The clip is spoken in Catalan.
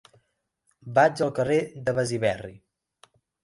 Vaig al carrer de Besiberri.